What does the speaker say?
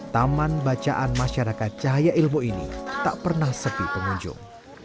taman bacaan masyarakat cahaya ilmu ini tak pernah sepi pengunjung